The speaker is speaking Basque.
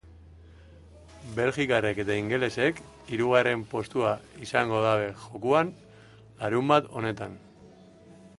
Belgikarrek eta ingelesek hirugarren postua izango dute jokoan larunbat honetan.